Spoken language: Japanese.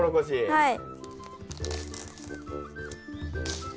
はい。